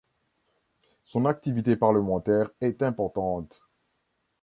Son activité parlementaire est importante.